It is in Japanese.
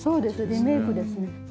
リメイクです。